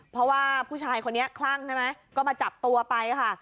เพราะว่าผู้ชายคนนี้คลั่งใช่ไหมก็มาจับตัวไปค่ะ